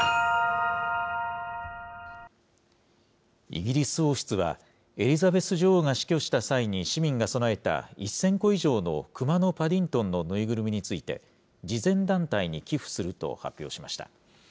イギリス王室は、エリザベス女王が死去した際に市民が供えた、１０００個以上のくまのパディントンの縫いぐるみについて、慈善団体に寄付すると発表しました。